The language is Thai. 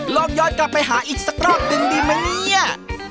ลองยอดกลับไปหาอีกสักรอบนึงดีมั้ย